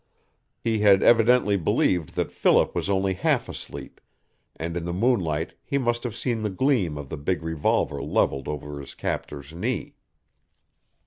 He had evidently believed that Philip was only half asleep, and in the moonlight he must have seen the gleam of the big revolver leveled over his captor's knee.